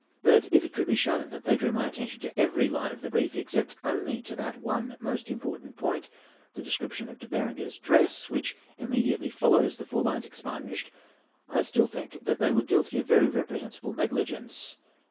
But if it could be shown that they drew my attention to ievery line of the brief, except only to that one most important point, the description of De Berenger's dress, which immediately follows the four lines expunged, I still think that they were guilty of very reprehensible negligence.